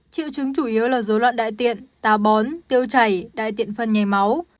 triệu chứng chủ yếu là dấu loạn đại tiện tà bón tiêu chảy đại tiện phân nhảy máu